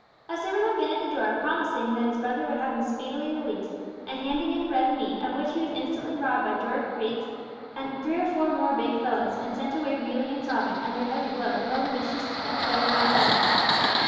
A servant had been at the door, promising that his brother would speedily have him released, and handing in bread and meat, of which he was instantly robbed by George Bates and three or four more big fellows, and sent away reeling and sobbing, under a heavy blow, with all the mischief and play knocked out of him.